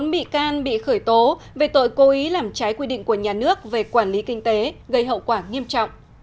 bốn bị can bị khởi tố về tội cố ý làm trái quy định của nhà nước về quản lý kinh tế gây hậu quả nghiêm trọng